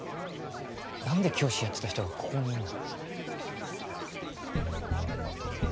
なんで教師やってた人がここにいんの？